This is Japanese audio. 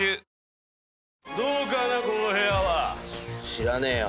知らねえよ